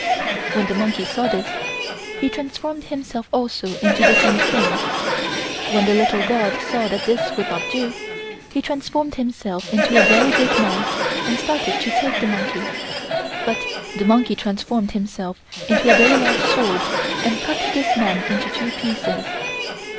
When the monkey saw this, he transformed himself also into the same thing. When the little god saw that this would not do, he transformed himself into a very big man and started to take the monkey, but the monkey transformed himself into a very large sword and cut this man into two pieces.